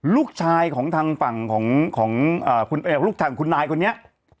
ลูกชายของทางฝั่งของลูกชายของคุณนายคนนี้